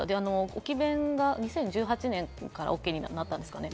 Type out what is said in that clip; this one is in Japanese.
置き勉が２０１８年からＯＫになったんですかね。